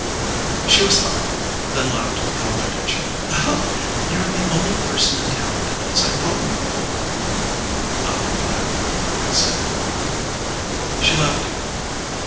She was thoughtful, then laughed confidentially. "You're the only person in town that knows I'm home, Noble." "I'm glad," he said humbly. She laughed again.